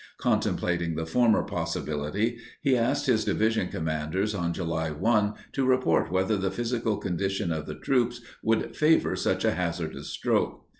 Contemplating the former possibility, he asked his division commanders on July 1 to report whether the physical condition of the troops would favor such a hazardous stroke.